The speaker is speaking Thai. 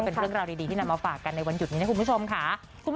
เป็นเรื่องราวดีที่นำมาฝากกันในวันหยุดนี้นะคุณผู้ชมค่ะ